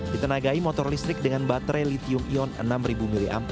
ditenagai motor listrik dengan baterai litium ion enam ribu m